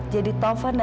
jadi taufan dan camilla